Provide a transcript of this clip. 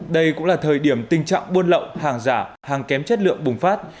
đây cũng là thời điểm tình trạng buôn lậu hàng giả hàng kém chất lượng bùng phát